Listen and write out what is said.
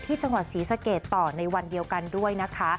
จังหวัดศรีสะเกดต่อในวันเดียวกันด้วยนะคะ